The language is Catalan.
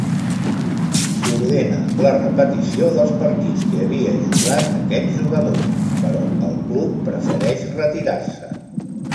S'ordena la repetició dels partits que havia jugat aquest jugador, però el club prefereix retirar-se.